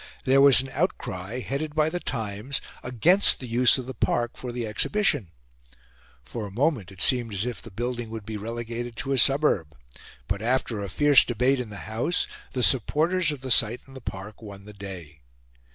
There was an outcry, headed by The Times, against the use of the park for the exhibition; for a moment it seemed as if the building would be relegated to a suburb; but, after a fierce debate in the House, the supporters of the site in the Park won the day.